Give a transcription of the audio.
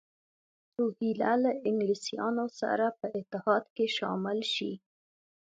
روهیله له انګلیسیانو سره په اتحاد کې شامل شي.